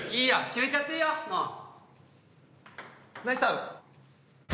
決めちゃっていいよもう。